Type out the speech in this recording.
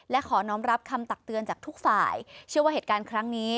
และขอน้องรับคำตักเตือนจากทุกฝ่ายเชื่อว่าเหตุการณ์ครั้งนี้